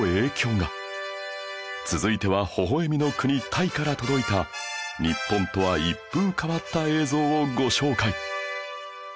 続いてはほほ笑みの国タイから届いた日本とは一風変わった映像をご紹介